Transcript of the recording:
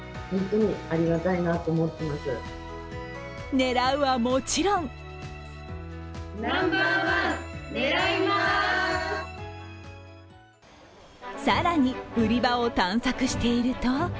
狙うはもちろん更に売り場を探索していると。